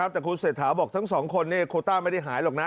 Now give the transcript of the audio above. แต่คุณเศรษฐาบอกทั้งสองคนโคต้าไม่ได้หายหรอกนะ